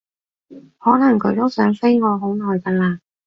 可能佢都想飛我好耐㗎喇